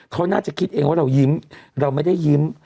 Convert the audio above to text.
เขาน่าจะคิดเองว่าเรายิ้มเราไม่ได้ยิ้ม